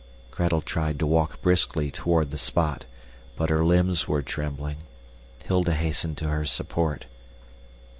Gretel tried to walk briskly toward the spot, but her limbs were trembling. Hilda hastened to her support.